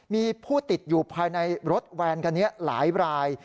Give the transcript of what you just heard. มีผู้ติดอยู่ภายในรถแวนคันนี้หลายราย